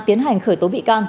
tiến hành khởi tố bị can